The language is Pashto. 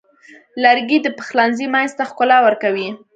لرګی د پخلنځي میز ته ښکلا ورکوي.